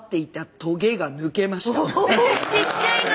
ちっちゃいな。